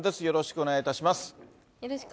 よろしくお願いします。